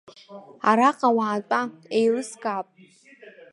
Араҟа уаатәа, еилыскаап.